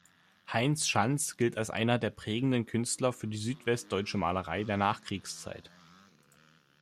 Heinz Schanz gilt als einer der prägenden Künstler für die südwestdeutsche Malerei der Nachkriegszeit.